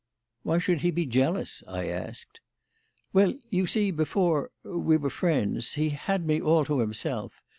"Why should he be jealous?" I asked. "Well, you see, before we were friends, he had me all to himself.